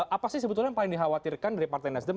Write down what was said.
apa sih sebetulnya yang paling dikhawatirkan dari partai nasdem